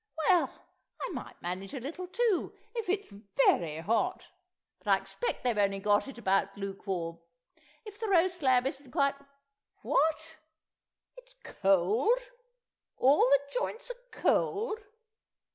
Well, I might manage a little, too, if it is very hot; but I expect they've only got it about lukewarm. If the roast lamb isn't quite ... what? It's cold? All the joints are cold?